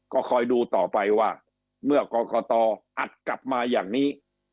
ก็คอยดูต่อไปว่าเมื่อกรกตอัดกลับมาอย่างนี้